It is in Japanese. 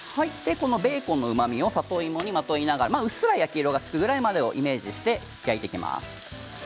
ベーコンのうまみを里芋にまとわせながら、うっすら焼き色がつくまで焼いていきます。